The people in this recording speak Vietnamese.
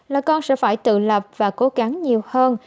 là con sẽ phải tự lập và cố gắng nhiều hơn